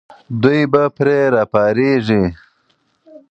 دوی به پرې راپارېږي.